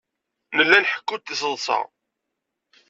Nella nḥekku-d tiseḍsa.